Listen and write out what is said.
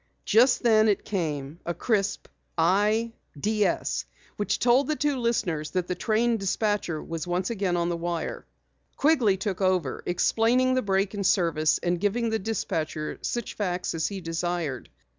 Just then it came a crisp "I DS" which told the two listeners that the train dispatcher again was on the wire. Quigley took over, explaining the break in service and giving the dispatcher such facts as he desired.